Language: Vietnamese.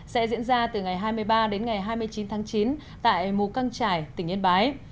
sẽ diễn ra từ ngày hai mươi ba đến ngày hai mươi chín tháng chín tại mù căng trải tỉnh yên bái